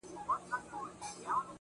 بيا به تاوان راکړې د زړگي گلي.